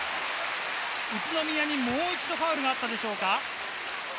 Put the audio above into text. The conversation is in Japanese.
宇都宮にもう一度ファウルがあったでしょうか？